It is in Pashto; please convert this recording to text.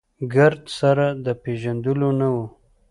ګرد سره د پېژندلو نه و.